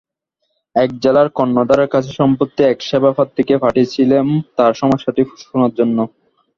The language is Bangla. এক জেলার কর্ণধারের কাছে সম্প্রতি এক সেবাপ্রার্থীকে পাঠিয়েছিলাম তাঁর সমস্যাটি শোনার জন্য।